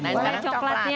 nah ini sekarang coklatnya